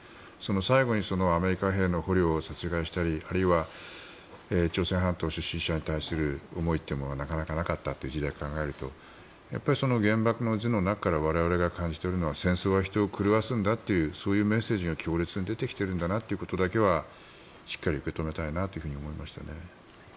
最後にアメリカ兵の捕虜を殺害したりあるいは朝鮮半島出身者に対する思いというのがなかなかなかったという時代を考えるとやっぱり「原爆の図」の中から我々が感じ取れるのは戦争は人々を狂わすんだというそういうメッセージが強烈に出てきているんだなということだけはしっかり受け止めたいなと思いましたね。